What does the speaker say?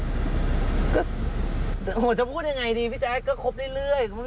ก็จะพูดยังไงดีพี่แจ๊คก็คบได้เรื่อย